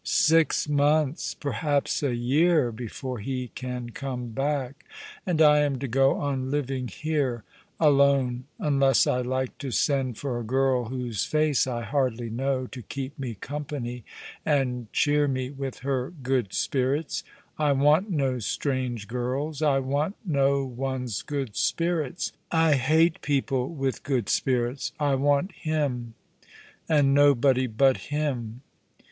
" Six months — perhaps a year, before he can come back, and I am to go on living here — alone, unless 1 like to send for a girl whose face I hardly know, to keep me company, and cheer me with her good spirits. I want no strange girls. I want no one's good spirits. I hate people with good spirits. I want him, and nobody but him